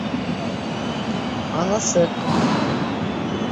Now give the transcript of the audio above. Аласыҡ!